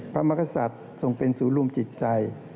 พระมรศัตริย์ทรัพย์ทรงเป็นสูรุมจิตใจ